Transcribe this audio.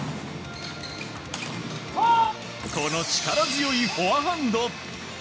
この力強いフォアハンド。